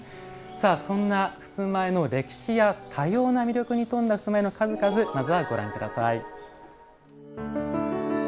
さあそんな襖絵の歴史や多様な魅力に富んだ襖絵の数々まずはご覧ください。